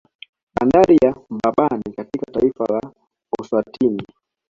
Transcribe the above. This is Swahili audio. Bandari ya Mbabane katika taifa la Eswatini